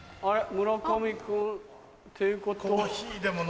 村上君っていうことは。